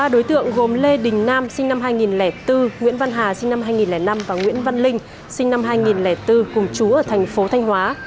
ba đối tượng gồm lê đình nam sinh năm hai nghìn bốn nguyễn văn hà sinh năm hai nghìn năm và nguyễn văn linh sinh năm hai nghìn bốn cùng chú ở thành phố thanh hóa